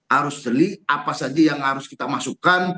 harus beli apa saja yang harus kita masukkan